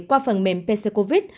qua phần mềm pc covid